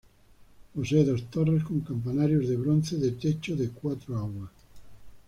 Posee dos torres con campanarios de bronce de techo de cuatro aguas.